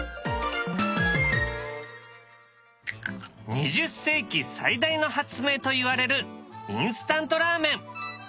２０世紀最大の発明といわれるインスタントラーメン。